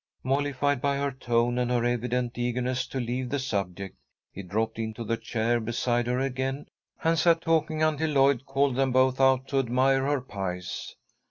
Mollified by her tone and her evident eagerness to leave the subject, he dropped into the chair beside her again, and sat talking until Lloyd called them both out to admire her pies.